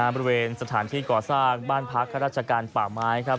บริเวณสถานที่ก่อสร้างบ้านพักข้าราชการป่าไม้ครับ